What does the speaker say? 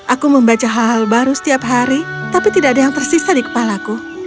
aku membaca hal hal baru setiap hari tapi tidak ada yang tersisa di kepalaku